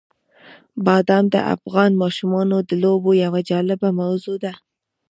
بادام د افغان ماشومانو د لوبو یوه جالبه موضوع ده.